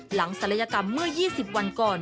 ศัลยกรรมเมื่อ๒๐วันก่อน